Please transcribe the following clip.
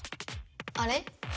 あれ？